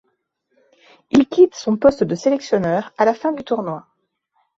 Il quitte son poste de sélectionneur à la fin du tournoi.